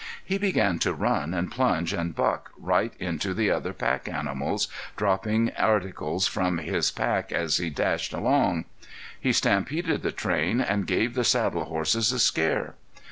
He began to run and plunge and buck right into the other pack animals, dropping articles from his pack as he dashed along. He stampeded the train, and gave the saddle horses a scare.